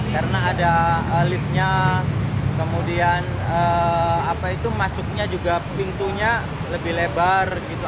karena ada liftnya kemudian apa itu masuknya juga pintunya lebih lebar gitu